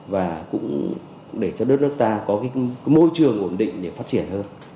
và cũng để cho đất nước ta có môi trường ổn định để phát triển hơn